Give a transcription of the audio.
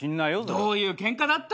どういうケンカだった？